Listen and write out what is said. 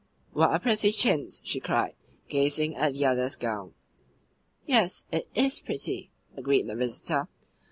"What a pretty chintz!" she cried, gazing at the other's gown. "Yes, it IS pretty," agreed the visitor.